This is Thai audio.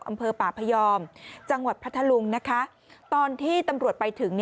อำเภอป่าพยอมจังหวัดพัทธลุงนะคะตอนที่ตำรวจไปถึง